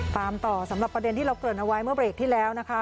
ตามต่อสำหรับประเด็นที่เราเกิดเอาไว้เมื่อเบรกที่แล้วนะคะ